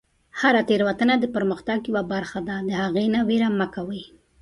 هره تیروتنه د پرمختګ یوه برخه ده، د هغې نه ویره مه کوئ.